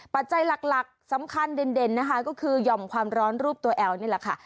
ปัจจัยหลักสำคัญเด่นนะคะก็คือหย่อมความร้อนรูปตัวแอลนี่แหละค่ะ